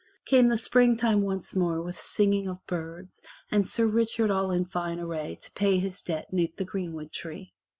Came the springtime once more with singing of birds, and Sir Richard all in fine array to pay his debt 'neath the greenwood tree.